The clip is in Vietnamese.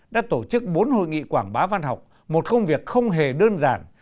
đã tổ chức bốn hội nghị quảng bá văn học một công việc không hề đơn giản